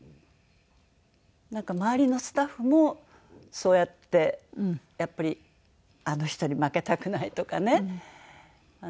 なんか周りのスタッフもそうやってやっぱりあの人に負けたくないとかね。